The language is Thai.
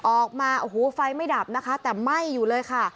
ออกมาโอ้โหไฟไม่ดับนะคะแต่ไหม้อยู่เลยค่ะ